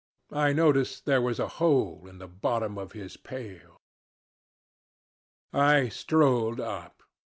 I noticed there was a hole in the bottom of his pail. "I strolled up.